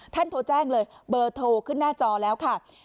โทรแจ้งเลยเบอร์โทรขึ้นหน้าจอแล้วค่ะ